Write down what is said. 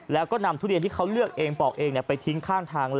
แล้วก็นำทุเรียนที่เขาเลือกเองปอกเองไปทิ้งข้างทาง